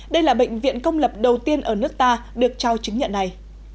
đây là bệnh viện công lập đầu tiên ở nước ta được trao chứng nhận này